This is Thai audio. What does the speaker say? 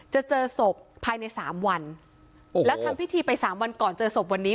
จะเจอศพภายในสามวันแล้วทำพิธีไปสามวันก่อนเจอศพวันนี้